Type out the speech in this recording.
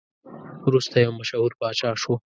وروسته یو مشهور پاچا شو.